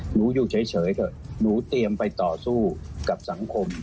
อยู่เฉยเถอะหนูเตรียมไปต่อสู้กับสังคม